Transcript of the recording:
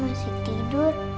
mama masih tidur